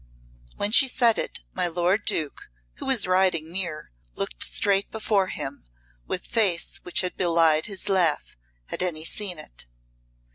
When she said it my lord Duke, who was riding near, looked straight before him, with face which had belied his laugh, had any seen it.